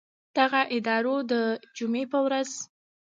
دغه ادارو د جمعې په ورځ